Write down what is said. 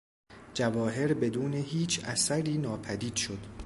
جواهر بدون هیچ اثری ناپدید شد.